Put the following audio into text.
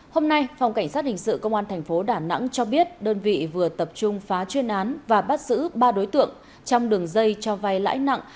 hôm nay phòng cảnh sát hình sự công an tp đà nẵng cho biết đơn vị vừa tập trung phá chuyên án và bắt giữ ba đối tượng trong đường dây cho vay lãi nặng